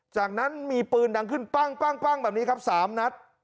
จากนั้นมีปืนดังขึ้นปั้งแบบนี้ครับ๓นัด